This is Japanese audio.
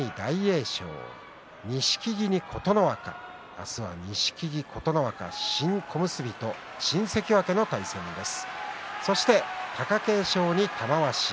明日は錦木に琴ノ若、新小結と新関脇の対戦です。